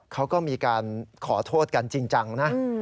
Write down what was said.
เขาก็มีการขอโทษกันจริงจังนะ